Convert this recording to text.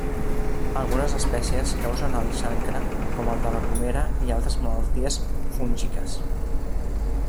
Algunes espècies causen el xancre com el de la pomera i altres malalties fúngiques.